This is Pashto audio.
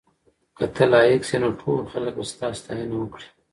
که ته لایق شې نو ټول خلک به ستا ستاینه وکړي.